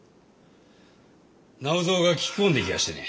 直蔵が聞き込んできやしてね。